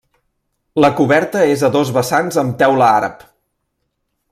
La coberta és a dos vessants amb teula àrab.